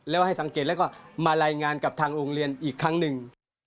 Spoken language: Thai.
แล้วให้สังเกตแล้วก็มารายงานกับทางโรงเรียนอีกครั้งหนึ่ง